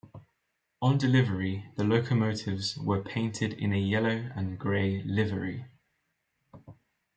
On delivery, the locomotives were painted in a Yellow and Grey livery.